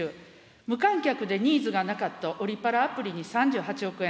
無観客でニーズがなかったオリパラアプリに３８億円。